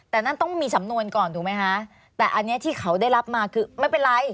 แต่นั่นต้องมีสำนวนก่อนถูกไหมคะแต่อันนี้ที่เขาได้รับมาคือไม่เป็นไร